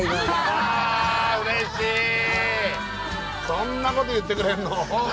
そんなこと言ってくれるの？